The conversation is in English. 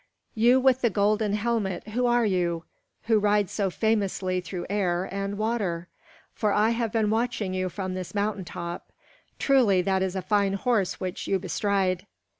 "You with the golden helmet, who are you, who ride so famously through air and water? For I have been watching you from this mountain top. Truly, that is a fine horse which you bestride."